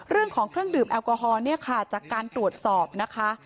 เรื่องของเครื่องดื่มแอลกอฮอลเนี่ยค่ะจากการตรวจสอบนะคะ